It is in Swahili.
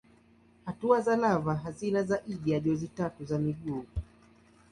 Hatua za lava hazina zaidi ya jozi tatu za miguu.